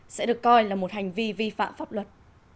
sẽ được coi là một hành vi vi phạm pháp luật